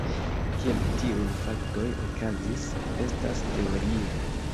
Kiel tiuj faktoj okazis, estas teorio.